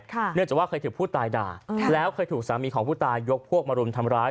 เนื่องจากว่าเคยถูกผู้ตายด่าแล้วเคยถูกสามีของผู้ตายยกพวกมารุมทำร้าย